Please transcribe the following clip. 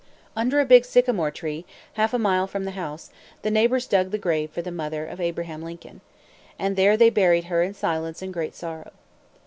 Under a big sycamore tree, half a mile from the house, the neighbors dug the grave for the mother of Abraham Lincoln. And there they buried her in silence and great sorrow.